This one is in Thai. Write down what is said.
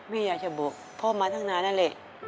อยากจะบอกพ่อมาตั้งนานนั่นแหละ